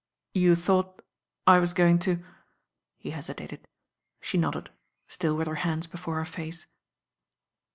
"You thought I was going to ^" he hesitated. She nodded, still with her hands before her face.